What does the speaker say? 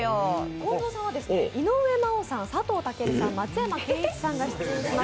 近藤さんは井上真央さん、佐藤健さん、松山ケンイチさんが出演します